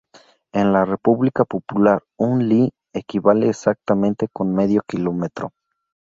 En la República Popular un "li" equivale exactamente con medio kilómetro.